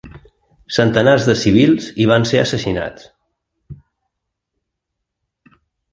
Centenars de civils hi van ser assassinats.